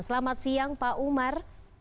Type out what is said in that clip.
selamat siang pak umar